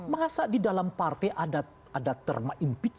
masa di dalam partai ada terma impit